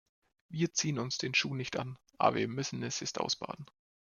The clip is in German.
Wir ziehen uns den Schuh nicht an, aber wir müssen es jetzt ausbaden.